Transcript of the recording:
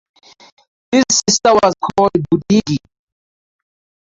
His sister was called "Budigi".